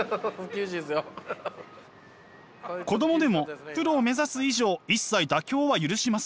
子供でもプロを目指す以上一切妥協は許しません。